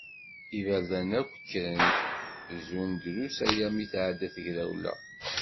Iberdan akk kkren, zun drus aya mi tɛedda tegrewla.